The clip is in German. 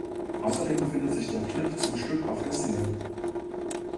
Außerdem befindet sich der Clip zum Stück auf der Single.